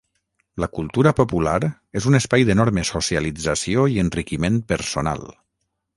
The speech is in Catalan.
La cultura popular és un espai d’enorme socialització i enriquiment personal.